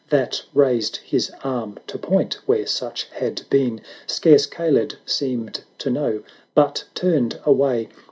That raised his arm to point where such had been, Scarce Kaled seemed to know, but turned away.